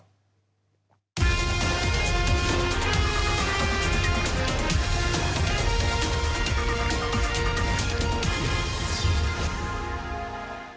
สวัสดีครับ